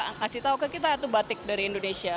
dan mereka kasih tahu ke kita itu batik dari indonesia